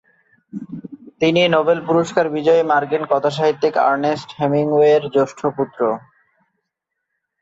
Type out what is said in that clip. তিনি নোবেল পুরস্কার বিজয়ী মার্কিন কথাসাহিত্যিক আর্নেস্ট হেমিংওয়ের জ্যেষ্ঠ পুত্র।